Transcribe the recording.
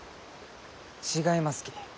違いますき。